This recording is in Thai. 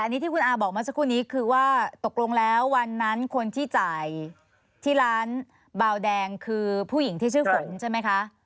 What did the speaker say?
อันนี้ที่คุณอาบอกเมื่อสักครู่นี้คือว่าตกลงแล้ววันนั้นคนที่จ่ายที่ร้านเบาแดงคือผู้หญิงที่ชื่อฝนใช่ไหมคะ